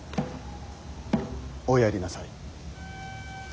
おやりなさい。